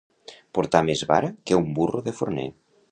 Portar més vara que un burro de forner.